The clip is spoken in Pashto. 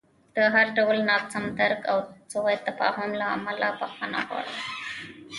د هر ډول ناسم درک او سوء تفاهم له امله بښنه غواړم.